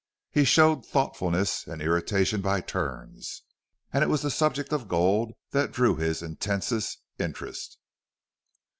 He showed thoughtfulness and irritation by turns, and it was the subject of gold that drew his intensest interest.